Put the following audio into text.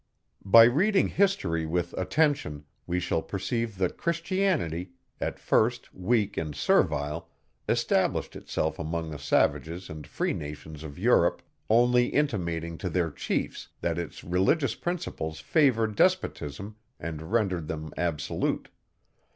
By reading history with attention, we shall perceive that Christianity, at first weak and servile, established itself among the savage and free nations of Europe only intimating to their chiefs, that its religious principles favoured despotism and rendered them absolute.